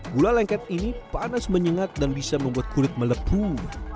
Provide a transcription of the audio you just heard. gula lengket ini panas menyengat dan bisa membuat kulit melepuh